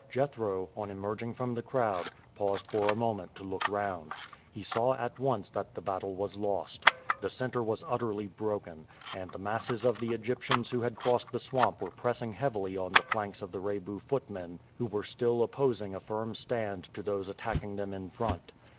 Jethro, on emerging from the crowd, paused for a moment to look round. He saw at once that the battle was lost. The center was utterly broken, and the masses of the Egyptians who had crossed the swamp were pressing heavily on the flanks of the Rebu footmen, who were still opposing a firm stand to those attacking them in front.